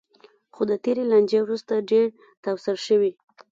خو د تېرې لانجې وروسته ډېر تاوسر شوی.